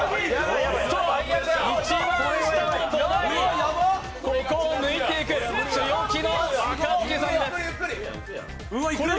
一番下の土台、ここを抜いていく強気の若槻さんです。